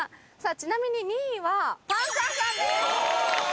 ちなみに２位はパンサーさんです。